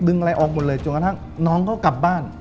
อะไรออกหมดเลยจนกระทั่งน้องเขากลับบ้าน